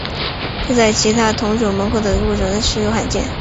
这在其他同属蠓科的物种当中实属罕见。